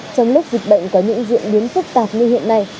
trong lúc dịch bệnh có những diễn biến phức tạp như hiện nay